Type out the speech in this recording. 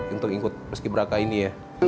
untuk ikut pas keberakai ini ya